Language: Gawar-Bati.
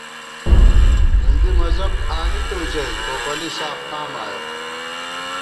نُنگی مذہب آنِتُو ژَئی ٹوپَلی ساف قام آیَہ